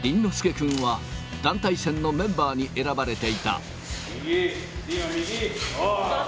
君は団体戦のメンバーに選ばれていた。